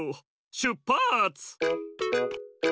しゅっぱつ！